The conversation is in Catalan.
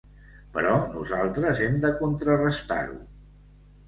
Però nosaltres hem de contrarestar-ho.